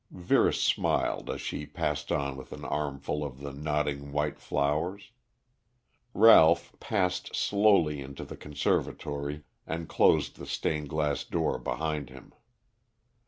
Vera smiled as she passed on with an armful of the nodding white flowers. Ralph passed slowly into the conservatory and closed the stained glass door behind him.